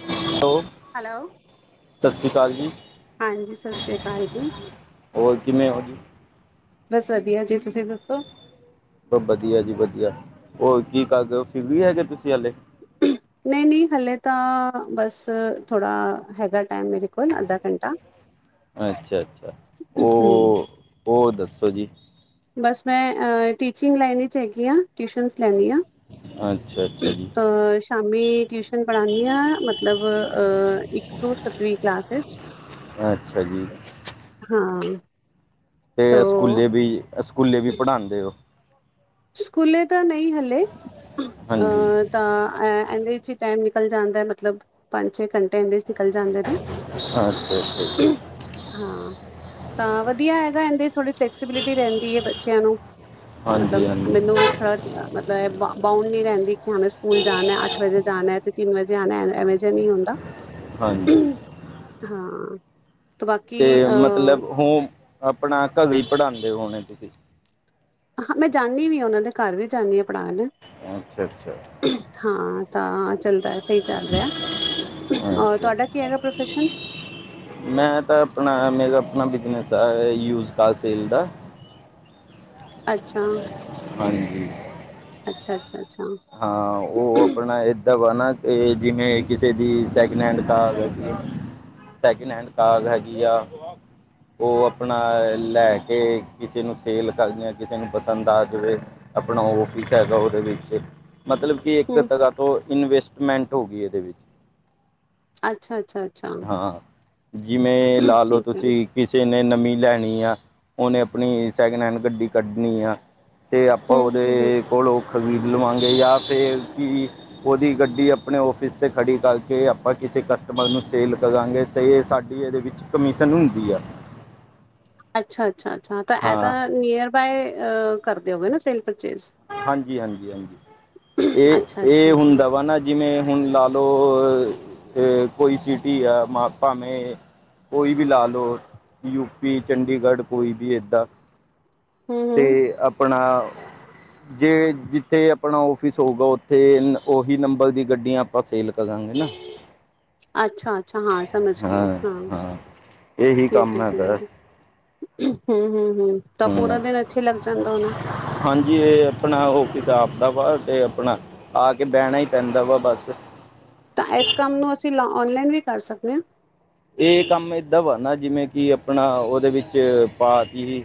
Hello hello ਸਤਿ ਸ਼੍ਰੀ ਅਕਾਲ ਜੀ। ਹਾਂਜੀ ਸਤਿ ਸ਼੍ਰੀ ਅਕਾਲ ਜੀ ਹੋਰ ਕਿਵੇ ਹੋ ਜ? ਬਸ ਵਧੀਆ ਜੀ ਤੁਸੀਂ ਦੱਸੋ? ਵਧੀਆ ਜੀ ਵਧੀਆ ਹੋਰ ਕੀ ਕਰਦੇ ਓ ਫਿਰੀ ਹੈਗੇ ਤੁਸੀਂ ਹਾਲੇ? ਨਹੀ- ਨਹੀ ਹਲੇ ਤਾਂ ਬਸ ਥੋੜਾ ਹੈਗਾ ਟਾਈਮ ਮੇਰੇ ਕੋਲ ਅੱਧਾ ਘੰਟਾ ਅੱਛਾ ਅੱਛਾ। ਹਮ ਉਹ ਹੋਰ ਦੱਸੋ ਜੀ? ਬਸ ਮੈਂ ਟੀਚਿੰਗ ਲਾਈਨ 'ਚ ਹੈਗੀ ਹਾਂ ਟਿਊਸ਼ਨਸ ਲੈਦੀ ਹਾਂ। ਅਛਾ- ਅਛਾ ਜੀ ਅ ਸ਼ਾਮੀ ਟਿਊਸ਼ਨ। ਪੜ੍ਹਾਦੀ ਹ ਮਤਲਬ ਇਕ ਤੋ ਸੱਤਵੀ ਕਲਾਸ ਵਿਚ ਅੱਛਾ ਜੀ। ਹਾਂ ਤੇ ਤੋਂ ਸਕੂਲੇ ਵੀ ਸਕੂਲੇ ਵੀ ਪੜ੍ਹਾਉਦੇ ਔ। ਸਕੂਲੇ ਤਾਂ ਨਹੀ ਹੀ ਹਲੇ ਹਾਂਜੀ ਤਾਂ ਇਹਦੇ ਵਿੱਚ ਹੀ ਟਾਈਮ ਨਿਕਲ ਜਾਂਦਾ ਹੈ ਮਤਲਬ ਪੰਜ ਛੇ ਘੰਟੇ ਇਹਦੇ ਨਿਕਲ ਜਾਂਦੇ ਨੇ ਅੱਛਾ ਅੱਛਾ ਜੀ ਹਾਂ ਤਾਂ ਵਧੀਆ ਹੈਗਾ ਇਹਦੇ ਥੋੜੇ ਫੈਕਸ ਪੋਸਬਿਲਟੀ ਰਹਿੰਦੀ ਹੈ। ਬੱਚਿਆਂ ਨੂੰ ਹਾਂਜੀ ਮਤਲਬ ਹਾਂਜੀ ਮੈਨੂੰ ਵੀ ਥੋੜਾ ਮਤਲਬ ਬਾਊਡ ਨਹੀਂ ਰਹਿੰਦੀ ਕਿ ਹਂ ਸਕੂਲ ਜਾਣਾ ਅੱਠ ਵਜੇ ਜਾਣਾ ਤੇ ਤਿੰਨ ਵਜੇ ਆਉਣਾ ਐਵੇ ਜਿਹਾ ਨਹੀ ਹੁੰਦਾ ਹਾਂਜੀ। ਹਾਂ ਬਾਕੀ ਤੇ ਮਤਲਬ ਅਹ ਉਹ ਆਪਣਾ ਘਰੇ ਪੜ੍ਹਾਉਂਦੇ ਹੋਣੇ ਤੁਸੀਂ। ਹਾਂ ਮੈਂ ਜਾਂਦੀ ਵੀ ਹ ਉਹਨਾਂ ਦੇ ਘਰ ਵੀ ਜਾਂਦੀ ਹਾਂ ਪੜਾ ਨੇ ਅਛਾ- ਅਛਾ ਹਾਂ ਤਾਂ ਚੱਲਦਾ ਸਹੀ ਚੱਲ ਰਿਹਾ ਔਰ ਅੱਛਾ ਤੁਹਾਡਾ ਕੀ ਹੈਗਾ ਪ੍ਰੋਫੈਸ਼ਨ? ਮੈਂ ਤਾਂ ਆਪਣਾ ਮੇਰਾ ਆਪਣਾ ਬਿਜਨਸ ਆ ਯੂਜ ਕ ਸੇਲ ਦਾ ਅੱਛਾ। ਹਾਂਜੀ। ਅਛਾ- ਅਛਾ ਅਛਾ ਹਾਂ ਉਹ ਆਪਣਾ ਏਦਾਂ ਵਾ ਨਾ ਜਿਵੇਂ ਕਿਸੇ ਦੀ second hand second hand car ਹੈਗੀ ਆ ਉਹ ਆਪਣਾ ਲੈ ਕੇ ਕਿਸੇ ਨੂੰ ਸੇਲ ਕਰਦੀਆਂ ਕਿਸੇ ਨੂੰ ਪਸੰਦ ਆ ਜਿਵੇ ਆਪਣਾ ਔਫਿਸ ਹੈਗਾ ਉਹਦੇ ਵਿੱਚ ਮਤਲਬ ਕਿ ਇੱਕ ਹਮ ਤਰਾਂ ਤੋਂ ਇਨਵੈਸਟਮੈਂਟ ਹੋ ਗਈ ਇਹਦੇ ਵਿੱਚ। ਅੱਛਾ ਅੱਛਾ ਅੱਛਾ ਹਾਂ ਜਿਵੇ ਲਾ ਲਓ ਠੀਕ ਹੈ ਤੁਸੀ ਕਿਸੇ ਨੇ ਨਮੀਂ ਲੈਣੀ ਆ ਉਹਨੇ ਆਪਣੀ ਸੈਕਿੰਡ ਹੈਂਡ ਗੱਡੀ ਕੱਢਣੀ ਆ। ਤੇ ਆਪਾਂ ਹਮ ਹਮ ਹਮ ਉਹਦੇ ਕੋਲ ਉਹ ਖ਼ਰੀਦ ਲਵਾਂਗੇ ਜਾਂ ਫਿਰ ਕੀ ਉਹਦੀ ਗੱਡੀ ਆਪਣੇ ਔਫਿਸ ਤੇ ਖੜ੍ਹੀ ਕਰਕੇ ਆਪਾ ਕਿਸੇ ਕਸਟਮਰ ਨੂੰ ਸੇਲ ਕਰਾਂਗੇ। ਤੇ ਸਾਡੀ ਇਹਦੇ ਵਿਚ ਕਮਿਸ਼ਨ ਹੁੰਦੀ ਆ। ਅਛਾ-ਅਛਾ, ਅਛਾ ਤਾਂ ਇਹ ਹਾਂ ਤਾਂ ਨੀਅਰ ਬਾਏ ਕਰਦੇ ਹੋਗੇ ਨਾ ਸੇਲ ਪਰਚੇਜ। ਹਾਂਜੀ-ਹਾਂਜੀ, ਹਾਂਜੀ ਅੱਛਾ ਅੱਛਾ ਇਹ ਅੱਛਾ ਹੁੰਦਾ ਵਾ ਨਾ ਜਿਵੇ ਹੁਣ ਲਾ ਲਓ ਕੋਈ ਸਿਟੀ ਆਮ ਭਾਵੇ ਕੋਈ ਵੀ ਲਾ ਲਓ ਯੂਪੀ, ਚੰਡੀਗੜ੍ਹ ਕੋਈ ਵੀ ਇਦਾ। ਹੂੰ ਹੂੰ ਤੇ ਆਪਣਾ ਜੇ ਜਿਥੇ ਆਪਣਾ ਆਫਿਸ ਹੋਊਗਾ ਉਥੇ ਉਹੀ ਨੰਬਰ ਦੀ ਗੱਡੀਆ ਆਪਾ ਸੇਲ ਕਰਾਗੇ ਨਾ। ਅੱਛਾ-ਅੱਛਾ ਹਾਂ ਸਮਝ ਗਈ ਹਾਂ ਇਹੀ ਠੀਕ ਕੰਮ ਹੈ, ਹੈਗਾ ਠੀਕ ਹੈ। ਹਮ-ਹਮ, ਹਮ ਤਾਂ ਹੂੰ ਪੂਰਾ ਦਿਨ ਇੱਥੇ ਲੱਗ ਜਾਂਦਾ ਹੋਣੇ। ਹਾਂਜੀ ਇਹ ਆਪਣਾ ਆਪਦਾ ਵਾ ਤੇ ਆਪਣਾ ਆ ਕੇ ਬਹਿਣਾ ਹੀ ਪੈਂਦਾ ਵਾ ਬਸ। ਤਾਂ ਇਸ ਕੰਮ ਨੂੰ ਅਸੀਂ ਲ ਔਨਲਾਈਨ ਵੀ ਕਰ ਸਕਦੇ ਹਾਂ। ਇਹ ਕਮ ਏਦਾ ਵਾਨਾ ਜਿਵੇ ਕਿ ਆਪਣਾ ਉਹਦੇ ਵਿਚ ਪਾਤੀ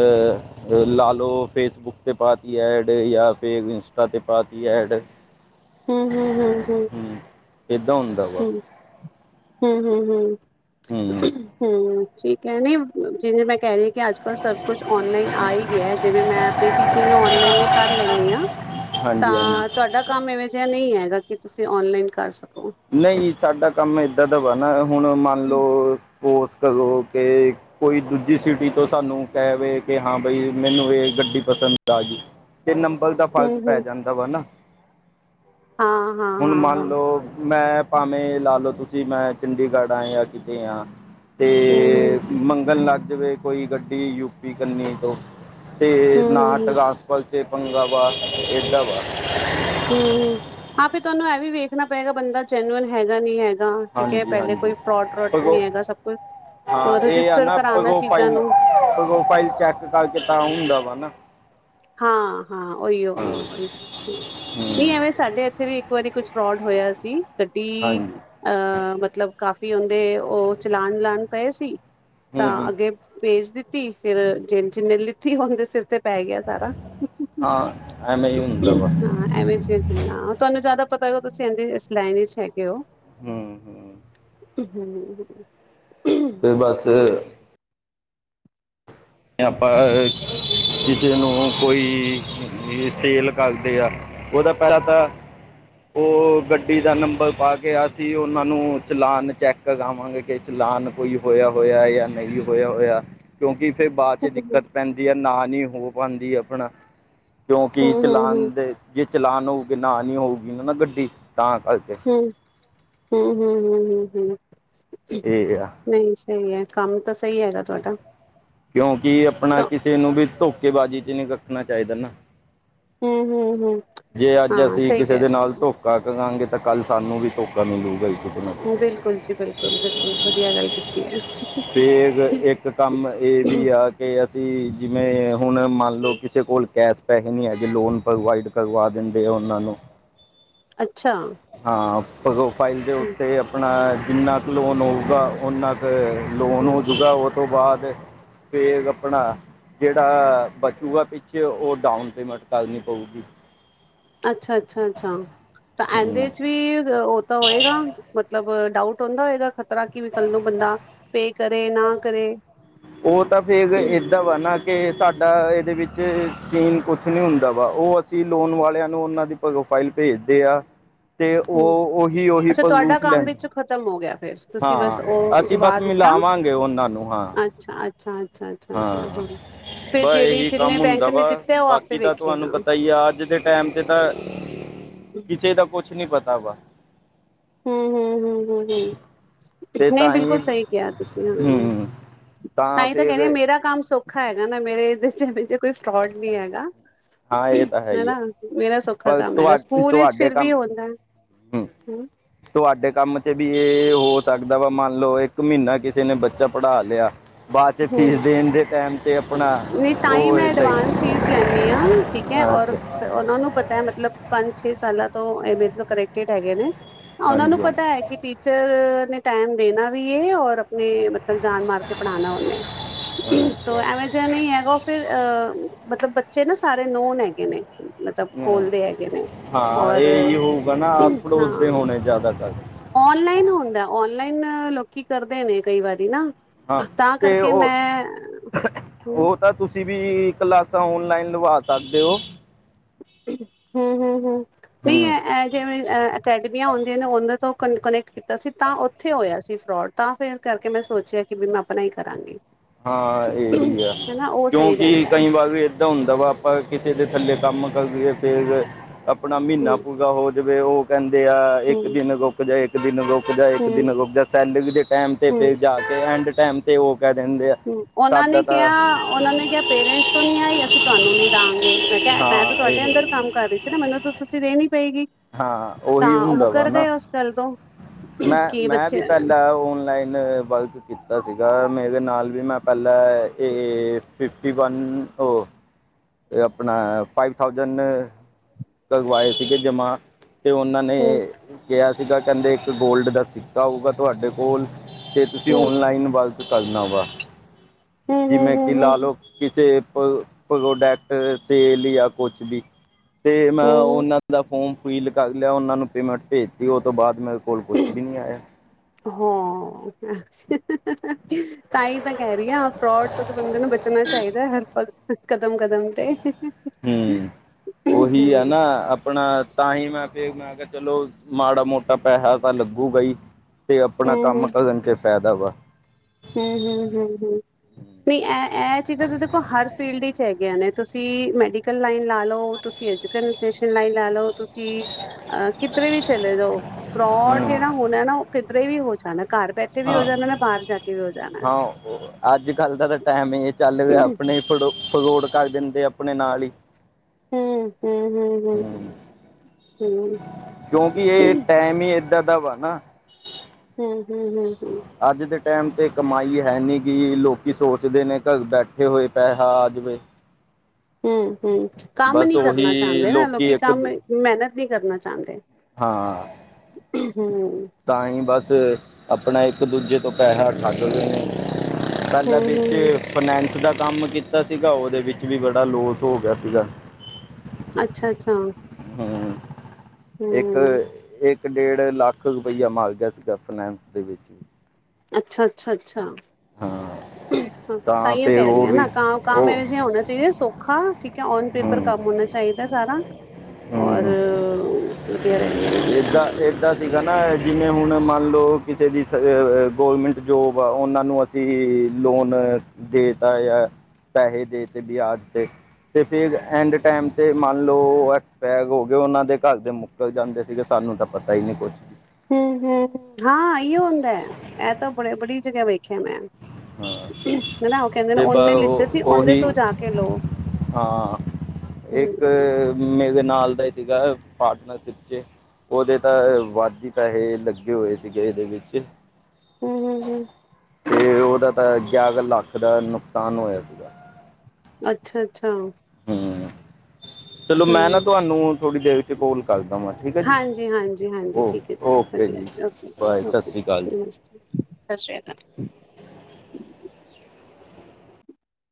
ਅ ਲਾ ਲਓ ਫੇਸਬੁੱਕ ਤੇ ਪਾਤੀ ਐਡ ਜਾਂ ਫਿਰ ਇੰਸਟਾ ਤੇ ਪਾਤੀ ਐਡ। [inaudible] ਹਮ-ਹਮ, ਹਮ-ਹਮ ਹੂੰ ਇੱਦਾਂ ਹੁੰਦਾ। ਵਾ ਹੂੰ-ਹੂੰ, ਹੂੰ-ਹੂੰ, ਹੂੰ ਹੂੰ ਠੀਕ ਹੈ ਨੀ ਜਿਵੇਂ ਮੈਂ ਕਹਿ ਰਹੀ ਅੱਜ ਕਲ ਸਭ ਕੁਛ ਓਨਲਾਈਨ ਆ ਹੀ ਗਿਆ ਜਿਵੇਂ ਮੈਂ ਆਪਣੀ ਟੀਚਿੰਗ ਨੂੰ ਨਲਾਈਨ ਵੀ ਕਰ ਲੈਨੀ ਆ। ਹਾਂਜੀ-ਹਾਂਜੀ ਤੁਹਾਡਾ ਕਮ ਇਹਵੇ ਜਿਹਾ ਨਹੀ ਹੈਗਾ ਕਿ ਤੁਸੀ ਔਨਲਾਈਨ ਕਰ ਸਕੋ। ਨਹੀ ਸਾਡਾ ਕਮ ਇਦਾ ਦਾਵਾ ਨਾ ਹੁਣ ਮੰਨ ਲਓ ਸਪੋਸ ਕਰੋ ਕਿ ਕੋਈ ਦੂਜੀ ਸਿਟੀ ਤੋ ਸਾਨੂੰ ਕਹਿਵੇ ਕਿ ਹਾਂ ਬਾਈ ਮੈਨੂੰ ਇਹ ਗੱਡੀ ਪਸੰਦ ਆ ਗੀ। ਤੇ ਨੰਬਲ ਦਾ ਫਲਕ ਹੂੰ ਪੈ ਹੂੰ ਜਾਦਾ ਵਾ ਨਾ। ਹਾਂ ਹਾਂ ਹੁਣ ਹਾਂ ਮੰਨ ਹਾਂ ਲੋ ਮੈਂ ਭਾਵੇ ਲਾ ਲਓ ਤੁਸੀ ਮੈ ਚੰਡੀਗੜ੍ਹ ਹ ਜਾਂ ਕਿਤੇ ਹ ਹੂੰ ਹੂੰ ਤੇ ਮੰਗਣ ਲਗ ਜਾਵੇ ਕੋਈ ਗੱਡੀ ਯੂਪੀ ਕੰਨੀ ਤੋਂ ਤੇ ਹੂੰ ਹੂੰ ਨਾ ਹੂੰ ਟਲਾਸ ਪਲਚੇ ਪੰਗਾ ਬਾ ਇਦਾਂ ਵਾ। ਹਮ ਹ ਆ ਫਿਰ ਤੁਹਾਨੂੰ ਇਹ ਵੀ ਵੇਖਣਾ ਪਏਗਾ ਬੰਦਾ ਜੈਨੂਅਨ ਹੈਗਾ ਨੀ ਹੈਗਾ। ਠੀਕ ਹੈ ਹਾਂਜੀ ਪਹਿਲੇ ਹਾਂਜੀ ਕੋਈ ਪਰ ਫਰੋਡਰੋਡ ਨੀ ਉਹ ਹੈਗਾ ਸਭ ਕੁਛ ਰਜਿਸਟਰ ਕਰਾਣਾ ਚੀਜ਼ਾਂ ਨੂੰ ਉਹ ਫਾਈਲ ਚੈਕ ਕਰਕੇ ਤਾਂ ਹੁੰਦਾ ਵਾ ਨਾ। ਹਾਂ-ਹਾਂ ਹਾਂ ਉਓ-ਉਓ, ਉ ਨਹੀ ਹੂੰ ਐਵੇ ਸਾਡੇ ਇਥੇ ਵੀ ਇਕ ਵਾਰੀ ਕੁਛ ਫਰੋਡ ਹੋਇਆ ਸੀ। ਗੱਡੀ ਹਾਂਜੀ ਅਹ ਮਤਲਬ ਕਾਫ਼ੀ ਉਹਦੇ ਉਹ ਚਲਾਨ-ਲਾਨ ਪਏ ਸੀ। ਤਾਂ ਹੂੰ ਅਗੇ ਭੇਜ ਦਿੱਤੀ ਫਿਰ ਜੇ ਜਿੰਨੇ ਲਿਤੀ ਉਹਦੇ ਸਿਰ ਤੇ ਪੈ ਗਿਆ। ਸਾਰਾ ਹਾਂ ਐਮੇ ਹੀ ਹੁੰਦਾ ਵਾ। ਹਾਂ ਐਵੇਂ ਜੀ ਗੱਲਾਂ ਤੁਹਾਨੂੰ ਜਾਦਾ ਪਤਾ ਹੋਏਗਾ ਤੁਸੀ ਇਦੇ ਇਸ ਲਾਈਨ ਚ ਹੈਗੇ ਹੋ। ਹੂੰ ਹੂੰ ਤੇ ਬਸ ਆਪਾਂ ਕਿਸੇ ਨੂੰ ਕੋਈ ਸੇਲ ਕਰਦੇ ਆ ਉਹਦਾ ਪਹਿਲਾਂ ਤਾਂ ਉਹ ਗੱਡੀ ਦਾ ਨੰਬਰ ਪਾ ਅਸੀਂ ਉਹਨਾਂ ਨੂੰ ਚਲਾਉਣ ਚੈੱਕ ਕਰਾਵਾਂਗੇ ਕਿ ਚਲਾਨ ਕੋਈ ਹੋਇਆ ਹੋਇਆ ਜਾਂ ਨਹੀਂ ਹੋਇਆ ਹੋਇਆ ਕਿਉਂਕਿ ਫਿਰ ਬਾਅਦ 'ਚ ਦਿੱਕਤ ਪੈਦੀ ਹੈ। ਨਾ ਨੀ ਹੋ ਪਾਉਦੀ ਆਪਣਾ। ਕਿਉਕਿ ਚਲਾਨ ਦੇ ਜੇ ਚਲਾਨ ਹੋਊਗੇ ਨਾ ਨੀ ਹੋਊਗੀ ਗੱਡੀ ਤਾਂ ਕਰਕੇ- ਹੂੰ- ਹੂੰ- ਹੂੰ -ਹੂੰ- ਹੂੰ- ਹੂੰ- ਠੀਕ ਆ- ਨਹੀ ਸਹੀ ਹੈ। ਕੰਮ ਤਾਂ ਸਹੀ ਹੈਗਾ ਤੁਹਾਡਾ। ਕਿਉਂਕਿ ਆਪਣਾ ਤਾਂ ਕਿਸੇ ਨੂੰ ਵੀ ਧੋਖੇਬਾਜ਼ੀ 'ਚ ਨਹੀਂ ਰੱਖਣਾ ਚਾਹੀਦਾ ਨਾ ਹੂੰ- ਹੂੰ- ਹੂੰ- ਜੇ ਅਜ ਅਸੀ ਕਿਸੇ ਦੇ ਨਾਲ ਧੋਖਾ ਕਰਾਂਗੇ ਤਾਂ ਕਲ ਸਾਨੂੰ ਵੀ ਧੋਖਾ ਮਿਲੂਗਾ ਕਿਸੇ ਨਾਲ ਬਿਲਕੁਲ ਜੀ ਬਿਲਕੁਲ, ਬਿਲਕੁਲ ਵਧੀਆ ਗੱਲ ਕੀਤੀ ਹੈ। ਤੇਜ ਇਕ- ਇੱਕ ਕੰਮ ਇਹ ਵੀ ਆ ਕਿ ਅਸੀਂ ਜਿਵੇਂ ਹੁਣ ਮੰਨ ਲਓ ਕਿਸੇ ਕੋਲ ਕੈਸ਼ ਪੈਸੇ ਨਹੀਂ ਹੈਗੇੇ, ਲੋਨ ਪ੍ਰੋਵਾਈਡ ਕਰਵਾ ਦਿੰਦੇ ਆ ਉਹਨਾਂ ਨੂੰ ਅੱਛਾ ਹਾਂ। ਫਾਈਲ ਦੇ ਉੱਤੇ ਆਪਣਾ ਜਿੰਨਾ ਕੁ ਲੋਨ ਹੋਊਗਾ ਉਨਾ ਕੁ ਲੋਨ ਹੋ ਜੂਗਾ ਉਹ ਤੋਂ ਬਾਅਦ, ਫੇਰ ਆਪਣਾ ਜਿਹੜਾ ਬਚੇਗਾ ਪਿੱਛੇ ਉਹ ਡਾਊਨ ਪੇਮੈਂਟ ਕਰਨੀ ਪਵੇਗੀ ਅੱਛਾ -ਅੱਛਾ -ਅੱਛਾ ਤਾਂ ਇਹਦੇ ਹਮ, ਚ' ਵੀ ਤਾਂ ਹੋਏਗਾ। ਮਤਲਬ ਡਾਊਟ ਹੁੰਦਾ ਹੋਏਗਾ। ਖ਼ਤਰਾ ਕਿ ਵੀ ਕੱਲ ਨੂੰ ਬੰਦਾ ਪੇ ਕਰੇ, ਨਾ ਕਰੇ। ਉਹ ਤਾਂ ਫਿਰ ਇੱਦਾਂ ਵਾ ਨਾ ਕਿ ਸਾਡਾ ਇਹਦੇ ਵਿੱਚ ਸੀਨ ਕੁਛ ਨਹੀਂ ਹੁੰਦਾ ਵਾ। ਉਹ ਅ ਅਸੀਂ ਲੋਨ ਵਾਲਿਆਂ ਨੂੰ ਉਹਨਾਂ ਦੀ ਪ੍ਰੋਫਾਈਲ ਭੇਜਦੇ ਆ। ਅਤੇ ਹੂੰ ਉਹ, ਉਹੀ- ਉਹੀ ਅੱਛਾ ਤੁਹਾਡਾ ਪਰੂਫ ਕੰਮ ਲੈਂ। ਵਿੱਚ ਖ਼ਤਮ ਹੋ ਗਿਆ ਫਿਰ, ਤੁਸੀਂ ਬਸ ਉਹ ਅਸੀਂ ਬਸ ਦਿਵਾ ਦਿੱਤਾ ਮਿਲਾਵਾਂਗੇ ਉਹਨਾਂ ਨੂੰ ਹਾਂ ਅੱ ਅੱਛਾ ਅੱਛਾ- ਅੱਛਾ। ਹਾਂ ਬਹ ਇਹੀ ਜਿੰਨੇ ਕੰਮ ਹੁੰਦਾ ਬੈਂਕ ਨੇ ਵਾ ਦਿੱਤਾ ਉਹ ਆਪੇ ਬਾਕੀ ਦਾ ਵੇਖੇਗਾ। ਤੁਹਾਨੂੰ ਪਤਾ ਹੀ ਆ ਅੱਜ ਦੇ ਟਾਈਮ ਤੇ ਤਾਂ, ਕਿਸੇ ਦਾ ਕੁਛ ਨਹੀਂ ਪਤਾ ਬਾ ਹਮ- ਹਮ- ਹਮ- ਹਮ- ਹਮ ਤੇ ਨਹੀਂ, ਤਾਂ ਹੀ ਬਿਲਕੁਲ ਸਹੀ ਕਿਹਾ ਤੁਸੀਂ ਹਾਂ। ਹੂੰ ਤਾਂ ਹੀ ਤਾਂ ਕਹਿੰਦੇ ਮੇਰਾ ਕੰਮ ਸਖ ਸੌਖਾ ਹੈਗਾ ਨਾ, ਮੇਰੇ ਇਹਦੇ ਚ' ਕੋਈ ਫਰੋਡ ਨੀ ਹੈਗਾ ਹਾਂ ਇਹ ਤਾਂ ਹੈ ਹੀ ਆ ਹਨਾ। ਮੇਰਾ ਸੁਖਾ ਔਖਾ ਪਰ ਕੰਮ ਹੈਗਾ। ਤੁਹਾ ਸਕੂਲ ਵਿੱਚ ਤੁਹਾਡੇ ਫਿਰ ਵੀ ਕੰਮ ਆੁੰਦਾ ਹੂੰ ਹੈ। ਤੁਹਾਡੇ ਕੰਮ 'ਚ ਵੀ ਇਹ ਹੋ ਸਕਦਾ ਮੰਨ ਲਓ ਇੱਕ ਮਹੀਨਾ ਕਿਸੇ ਨੇ ਬੱਚਾ ਪੜ੍ਹਾ ਲਿਆ ਬਾਅਦ 'ਚ ਫੀਸ ਦੇਣ ਦੇ ਟੈਮ ਤੇ ਆਪਣਾ ਨਹੀਂ ਤਾਂ ਉਹ ਮੈਂ ਇਹਦਾ ਹੀ ਐਡਵਾਂਸ ਫੀਸ ਲੈਂਦੀ ਹਾਂ ਠੀਕ ਐ, ਔਰ ਅੱਛਾ ਉਹਨਾਂ ਨੂੰ ਪਤਾ ਮਤਲਬ ਪੰਜ -ਛੇ ਸਾਲਾਂ ਤੋਂ ਮੇਰੇ ਤੋਂ ਕਨੈਕਟਡ ਹੈਗੇ ਨੇ। ਉਹਨਾਂ ਨੂੰ ਹਾਂਜੀ ਹਾਂਜੀ ਪਤਾ ਹੈ ਕਿ ਟੀਚਰ ਨੇ ਟਾਈਮ ਦੇਣਾ ਵੀ ਹੈ। ਔਰ ਆਪਣੇ ਮਤਲਬ ਜਾਨ ਮਾਰ ਕੇ ਪੜ੍ਹਾਨਾ ਉਹਨੇ। ਤੋਂ ਅੱਛਾ ਐਵੇਂ ਅੱਛਾ ਜ ਨਹੀਂ ਹੈਗਾ ਉਹ ਫੇਰ ਅਹ, ਮਤਲਬ ਬੱਚੇ ਨਾ ਸਾਰੇ ਨੋਨ ਹੈਗੇ ਨੇ। ਮਤਲਬ ਖੋਲਦੇ ਹੈਗੇ ਨੇ ਹਾਂ ਔਰ ਹਾਂ। ਜ਼ਿਆਦਾਤਰ ਔਨਲਾਈਨ ਹੁੰਦਾ, ਔਨਲਾਈਨ ਲੋਕੀ ਕਰਦੇ ਨੇ ਕਈ ਵਾਰੀ ਨਾ। ਹਾਂ ਤਾਂ ਤੇ ਕਰਕੇ ਉਹ ਮੈਂ ਉਹ ਤਾਂ ਤੁਸੀਂ ਵੀ ਕਲਾਸਾਂ ਔਨਲਾਈਨ ਲਵਾ ਸਕਦੇ ਹੋ। ਹਮ- ਹਮ -ਹਮ ਨਹੀਂ ਹੂੰ ਹੈ। ਜਿਵੇਂ ਅਹ ਅਕੈਡਮੀਆਂ ਹੁੰਦੀਆਂ ਨੇ ਉਹਦੇ ਤੋਂ ਕਨ ਕਨੈਕਟ ਕੀਤਾ ਸੀ ਤਾਂ ਉੱਥੇ ਹੋਇਆ ਸੀ ਫਰੋਡ, ਤਾਂ ਫਿਰ ਕਰਕੇ ਮੈਂ ਸੋਚਿਆ ਕਿ ਵੀ ਮੈਂ ਆਪਣਾ ਹੀ ਕਰਾਂਗੀ। ਹਾਂ, ਇਹ ਵੀ ਆ ਹਨਾ ਉਹ ਸਹੀ ਕਿਉਂਕਿ ਰਹਿੰਦਾ ਕਈ ਵਾਰ ਵੀ ਇੱਦਾਂ ਹੁੰਦਾ ਵਾ ਆਪਾਂ ਕਿਸੇ ਦੇ ਥੱਲੇ ਕੰਮ ਕਰੀਏ ਫਿਰ ਆਪਣਾ ਮਹੀਨਾ ਹੂੰ ਪੂਰਾ ਹੋ। ਜਿਵੇਂ ਉਹ ਕਹਿੰਦੇ ਆ, ਇੱਕ ਹੂੰ ਦਿਨ ਗੁ ਇੱਕ ਦਿਨ ਰੁਕ ਜਾ ਇੱਕ ਹੂੰ ਦਿਨ ਰੁਕ ਜਾ ਸੈਲਰੀ ਦੇ ਟਾਈਮ ਤੇ ਹੂੰ ਫਿਰ ਜਾ ਕੇ ਐਂਡ ਟਾਈਮ ਤੇ ਉਹ ਕਹਿ ਦਿੰਦੇ ਆ। ਹਮ ਉਹਨਾਂ ਨੇ ਸਾਡਾ ਤਾਂ ਕਿਹਾ, ਉਹਨਾਂ ਨੇ ਕਿਹਾ ਪੇਰੈਂਟਸ ਤੋਂ ਨੀ ਆਈ, ਅਸੀਂ ਤੁਹਾਨੂੰ ਨੀ ਦਾਂਗੇ। ਮੈਂ ਕਿਹਾ, ਮੈਂ ਹਾਂ ਤਾਂ ਤੁਹਾਡੇ ਅੰਦਰ ਇਹ ਕੰਮ ਕਰ ਰਹੀ ਸੀ ਨਾ ਮੈਨੂੰ ਤਾਂ ਤੁਸੀਂ ਦੇਣੀ ਪਏਗੀ। ਹਾਂ ਤਾਂ ਉਹੀ ਉਹ ਹੁੰਦਾ ਵਾ ਮੁੱਕਰ ਨਾ ਗਏ ਉਸ ਗਲ ਤੋਂ ਮੈਂ, ਕਿ ਮੈਂ ਬੱਚੇ ਵੀ ਹੂੰ, ਪਹਿਲਾਂ ਔਨਲਾਈਨ ਵਰਕ ਕੀਤਾ ਸੀਗਾ ਮੇਰੇ ਨਾਲ ਵੀ ਮੈਂ ਪਹਿਲਾਂ ਇਹ ਫਿਫਟੀ -ਵਨ ਓ ਆਪਣਾ ਫਾਈਵ ਥਾਊਜੈਂਡ ਕਰਵਾਏ ਸੀਗੇ ਜਮਾ, ਤੇ ਉਹਨਾਂ ਨੇ ਹੂੰ, ਕਿਹਾ ਸੀਗਾ ਕਹਿੰਦੇ ਇੱਕ ਗੋਲਡ ਦਾ ਸਿੱਕਾ ਹੋਊਗਾ ਤੁਹਾਡੇ ਕੋਲ, ਤੇ ਤੁਸੀਂ ਹੂੰ, ਓਨਲਾਈਨ ਵੱਲ ਕਰਨਾ ਵਾ। ਹੂੰ, ਜਿਵੇਂ ਕਿ ਹੂੰ, ਲਾ ਹੂੰ, ਲਓ ਕਿਸੇ ਪ੍ਰੋਡਕਟ ਸੇਲ ਜਾਂ ਕੁਛ ਵੀ। ਤੇ ਮੈਂ ਹੂੰ, ਹੂੰ ਉਹਨਾਂ ਦਾ ਫੋਰਮ ਫਿਲ ਕਰ ਲਿਆ ਉਹਨਾਂ ਨੂੰ ਪੇਮੈਂਟ ਭੇਜਤੀ ਉਹ ਤੋਂ ਬਾਅਦ ਮੇਰੇ ਕੋਲ ਕੁਛ ਵੀ ਨਹੀਂ ਆਇਆ। ਹਾਂ। ਤਾਈ ਤਾਂ ਕਹਿ ਰਹੀ ਆ ਫਰੋਡ ਤੋਂ ਤਾਂ ਬੰਦੇ ਨੂੰ ਬਚਣਾ ਚਾਹੀਦਾ। ਹਰ ਪਲ ਕਦਮ ਕਦਮ ਤੇ ਹੂੰ ਉਹੀ ਆ ਹ ਨਾ ਆਪਣਾ ਤਾਂ ਹੀ ਮੈਂ ਫ ਮੈਂ ਕਿਹਾ ਚਲੋ ਮਾੜਾ ਮੋਟਾ ਪੈਸਾ ਤਾਂ ਲੱਗੂਗਾ ਹੀ ਅਤੇ ਆਪਣਾ ਹੂੰ, ਕੰਮ ਕਰਨ 'ਚ ਫਾਇਦਾ ਵਾ। ਹਮ- ਹਮ- ਹਮ- ਹਮ ਨਹੀਂ ਇਹ, ਇਹ ਚੀਜ਼ਾਂ ਤਾਂ ਦੇਖੋ ਹਰ ਫੀਲਡ ਵਿੱਚ ਹੈਗੀਆਂ ਨੇ ਤੁਸੀਂ ਮੈਡੀਕਲ ਲਾਈਨ ਲਾ ਲਓ, ਤੁਸੀਂ ਕਸੇਸ਼ਨ ਲਾਈਨ ਲਾ ਲਓ ਤੁਸੀਂ ਅਹ ਕਿਧਰੇ ਵੀ ਚਲੇ ਜਾਓ ਫਰੋਡ ਹੂੰ ਜਿਹੜਾ ਹੋਣਾ ਨਾ ਉਹ ਕਿਧਰੇ ਵੀ ਹੋ ਜਾਣਾ ਘਰ ਬੈਠੇ ਵੀ ਹੋ ਹਾਂ ਜਾਣਾ ਨਾ ਬਾਹਰ ਜਾ ਕੇ ਵੀ ਹੋ ਜਾਣਾ। ਅੱਜ ਕੱਲ ਦਾ ਤਾਂ ਟਾਈਮ ਹੀ ਚੱਲ ਪਿਆ ਆਪਣੇ ਫੜੋ ਫਰੌਡ ਕਰ ਦਿੰਦੇ ਆਪਣੇ ਨਾਲ ਹੀ ਹੂੰ ਹੂੰ ਹੂੰ ਹੂੰ ਹੂੰ ਕਿਉਂਕਿ ਇਹ ਟਾਈਮ ਹੀ ਏਦਾਂ ਦਾ ਵਾ ਨਾ। ਹਮ -ਹਮ- ਹਮ- ਹਮ ਅੱਜ ਦੇ ਟਾਈਮ 'ਤੇ ਕਮਾਈ ਹੈ ਨਹੀਂ ਗ ਲੋਕ ਸੋਚਦੇ ਨੇ ਘਰ ਬੈਠੇ ਹੋਏ ਪੈਸਾ ਆ ਜਾਵੇ। ਹੂੰ ਹੂੰ ਕੰਮ ਬਸ ਨਹੀਂ ਕਰਨਾ ਉਹੀ ਚਾਹੁੰਦੇ ਨਾ ਲੋਕੀ ਇੱਕ ਕੰਮ ਮਿਹਨਤ ਨਹੀਂ ਕਰਨਾ ਚਾਹੁੰਦੇ। ਹਾਂ। ਹੂੰ ਤਾਂ ਹੀ ਬਸ ਆਪਣਾ ਇੱਕ ਦੂਜੇ ਤੋਂ ਪੈਸਾ ਠੱਗਦੇ ਨੇ। ਹੂੰ ਪਹਿਲਾ ਦੇ ਹੂੰ ਤੇ ਹੂੰ ਫਨੈਂਸ ਦਾ ਕੰਮ ਕੀਤਾ ਸੀਗਾ, ਉਹਦੇ ਵਿੱਚ ਵੀ ਬੜਾ ਲੋਸ ਹੋ ਗਿਆ ਸੀਗਾ। ਅੱਛਾ-ਅੱਛਾ। ਹਮ ਇੱਕ, ਇੱਕ ਇੱਕ ਡੇਢ ਲੱਖ ਰੁਪਈਆ ਮਾਰ ਗਿਆ ਸੀਗਾ ਫਨੈਂਸ ਦੇ ਵਿੱਚ ਅੱਛਾ, ਅੱਛਾ, ਅੱਛਾ, ਹਾਂ ਤਾਂ ਤਾਹੀਂਓ ਫਿਰ ਕਹਿ ਉਹ ਰਹੀਆਂ ਵੀ ਨਾ ਕ ਕੰਮ ਉਹ ਇਹੇ ਜਿਹ ਹਾ ਹੋਣਾ ਚਾਹੀਦਾ ਸੌਖਾ ਠੀਕ ਹੈ ਔਨ ਪੇਪਰ ਹੂੰ ਕੰਮ ਹੋਣਾ ਚਾਹੀਦਾ ਸਾਰਾ ਹੋਰ ਵਧੀਆ ਰਹਿੰਦੀਆਂ ਨੇ। ਚੀਜ਼ਾਂ ਏਦਾਂ- ਏਦਾਂ ਠੀਕ ਨਾ ਜਿਵੇਂ ਹੁਣ ਮੰਨ ਲਓ ਕਿਸੇ ਦੀ ਗੌਰਮੈਂਟ ਜੋਬ ਆ ਉਹਨਾਂ ਨੂੰ ਤੀ ਲੋਨ ਦੇਤਾ, ਜਾਂ ਪੈਹੇ ਦੇਤੇ ਬਿਆਜ ਤੇ ਤੇ ਫਿਰ ਐਂਡ ਟਾਈਮ ਤੇ ਮੰਨ ਲਓ ਉਹ ਐਕਸਪਾਇਰ ਹੋ ਗਏ ਉਹਨਾਂ ਦੇ ਘਰ ਦੇ ਮੁੱਕਰ ਜਾਂਦੇ ਸੀਗੇ। ਸਾਨੂੰ ਤਾਂ ਪਤਾ ਹੀ ਨਹੀਂ ਕੁਛ। ਹੁੰ, ਹੁੰ, ਹਾਂ ਏਈਓ ਹੁੰਦਾ ਐ, ਇਹ ਤਾਂ ਬੜ ਬੜੀ ਜਗ੍ਹਾ ਵੇਖਿਆ ਮੈਂ ਹਾਂ। ਹਨਾ ਉਹ ਕਹਿੰਦੇ ਨੇ ਤੇ ਬਸ ਉਹਨੇ ਲਿੱਤੇ ਸੀ ਉਹ ਉਹਦੇ ਉਹੀ ਤੋਂ ਜਾ ਕੇ ਲਓ ਹਾਂ ਹੂੰ ਇੱਕ ਮੇਰੇ ਨਾਲ ਦਾ ਹੀ ਸੀਗਾ ਪਾਰਟਨਰਸ਼ਿਪ ਚ ਉਹਦੇ ਤਾਂ ਵੱਧ ਹੀ ਪੈਹੇ ਲੱਗੇ ਹੋਏ ਸੀਗੇ ਇਹਦੇ ਵਿੱਚ। ਹੂੰ ਹੂੰ ਹੂੰ ਤੇ ਉਹਦਾ ਤਾਂ ਗਿਆਰਾ ਲੱਖ ਦਾ ਨੁਕਸਾਨ ਹੋਇਆ ਸੀ। ਅੱਛਾ- ਅੱਛਾ। ਹਾਂ, ਚਲੋ ਮੈਂ ਨਾ ਹੂੰ ਤੁਹਾਨੂੰ ਥੋੜੀ ਦੇਰ ਬਾਅਦ ਚ' ਕੋਲ ਕਰਦਾਵਾਂ, ਠੀਕ ਹੈ ਜੀ। ਹਾਂਜੀ ਹਾਂਜੀ ਹਾਂਜੀ ਓ ਠੀਕ ਹੈ ਓਕੇ ਵਧੀਆ ਜੀ, ਓਕੇ ਜੀ ਭਾਏ, ਸਤਿ ਓਕੇ ਸ਼੍ਰੀ ਅਕਾਲ ਜੀ। ਨਮਸਤੇ ਸਤਿ ਸ੍ਰੀ ਅਕਾਲ।